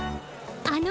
あの。